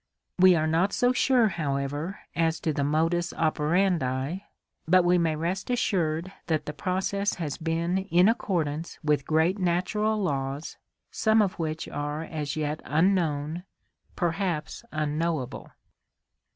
We are not so sure, however, as to the modus operandi, but we may rest assured that the process has been in accordance with great natural laws, some of which are as yet unknown, perhaps unknowable.